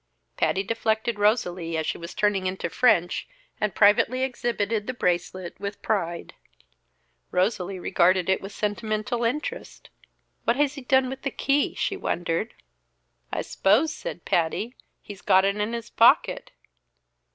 Patty deflected Rosalie as she was turning into French and privately exhibited the bracelet with pride. Rosalie regarded it with sentimental interest. "What has he done with the key?" she wondered. "I s'pose," said Patty, "he's got it in his pocket."